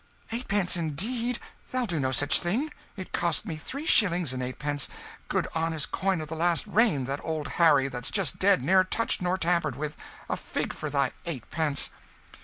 "Eightpence, indeed! Thou'lt do no such thing. It cost me three shillings and eightpence, good honest coin of the last reign, that old Harry that's just dead ne'er touched or tampered with. A fig for thy eightpence!"